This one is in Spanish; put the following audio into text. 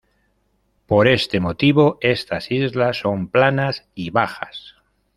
Por este motivo estas islas son planas y bajas.